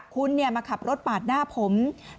คุณขับรถปากหน้าพรุง